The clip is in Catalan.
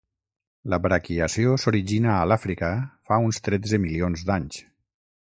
La braquiació s’origina a l’Àfrica fa uns tretze milions d’anys.